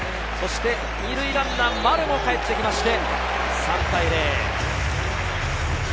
２塁ランナー丸もかえってきて３対０。